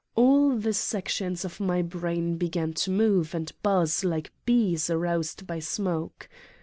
All the sections of my brain began to move and buzz like bees aroused by smoke.